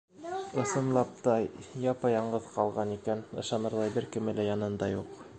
Ысынлап та, япа-яңғыҙ ҡалған икән, ышанырҙай бер кеме лә янында юҡ.